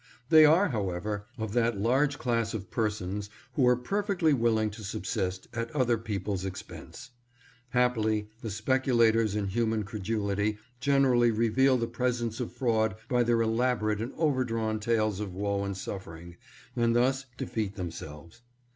They are, however, of that large class of persons who are perfectly willing to subsist at other people's expense. Happily, the specu lators in human credulity generally reveal the presence of fraud by their elaborate and overdrawn tales of woe and suffering, and thus defeat themselves.